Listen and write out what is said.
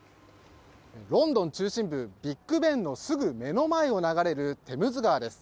ロンドン中心部ビッグベンのすぐ目の前を流れるテムズ川です。